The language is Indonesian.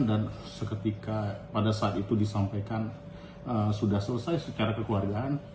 dan pada saat itu disampaikan sudah selesai secara kekeluargaan